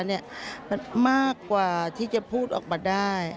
มันมากกว่าที่จะพูดออกมาได้